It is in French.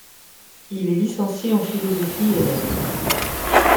Il est licencié en philosophie et lettres.